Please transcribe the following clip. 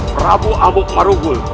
prabu amuk marugul